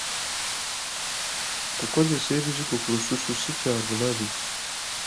Okukozesa ebizigo ku lususu ssi kya bulabe?